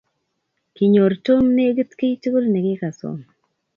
Kinyor Tom negit kiy tugul nekikasom